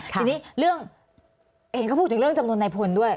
ทีนี้เรื่องเห็นเขาพูดถึงเรื่องจำนวนนายพลด้วย